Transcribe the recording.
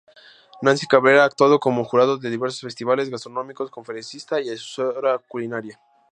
Nancy Cabrera ha actuado como jurado de diversos festivales gastronómicos, conferencista y asesora culinaria.